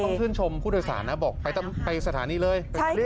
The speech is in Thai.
ต้องชื่นชมผู้โดยสารนะบอกไปสถานีเลย